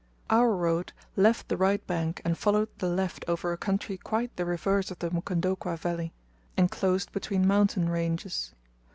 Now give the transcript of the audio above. Our road left the right bank and followed the left over a country quite the reverse of the Mukondokwa Valley, enclosed between mountain ranges.